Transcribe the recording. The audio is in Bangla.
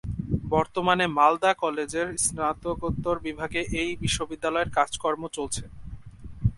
বর্তমানে মালদা কলেজের স্নাতকোত্তর বিভাগে এই বিশ্ববিদ্যালয়ের কাজকর্ম চলছে।